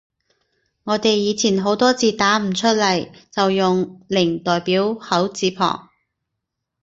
我哋以前好多字打唔出來，就用 O 代表口字旁